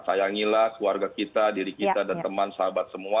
sayangilah keluarga kita diri kita dan teman sahabat semua